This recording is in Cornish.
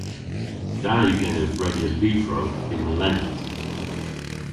Da yw genev redya lyvrow yn lent.